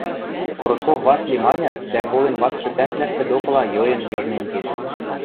– Коротков Васли маньы дӓ колен вацшы тӓнгвлӓштӹ докыла йойын йыжнен кеш.